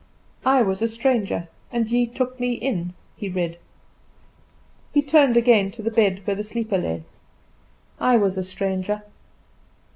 "I was a stranger, and ye took me in," he read. He turned again to the bed where the sleeper lay. "I was a stranger."